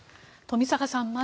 富坂さん